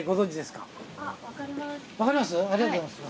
ありがとうございます。